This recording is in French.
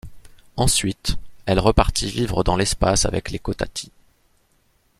Ensuite, elle repartit vivre dans l’espace avec les Cotatis.